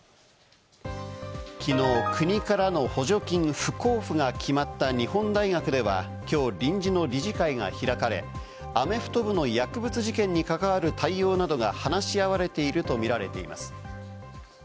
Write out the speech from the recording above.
きのう国からの補助金不交付が決まった日本大学では、きょう臨時の理事会が開かれ、アメフト部の薬物事件に関わる対応などが話し合われていると見られています。